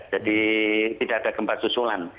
jadi tidak ada gempa susulan